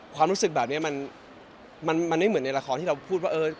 ความรู้สึกแบบนี้มันไม่เหมือนในละครที่เราพูดว่า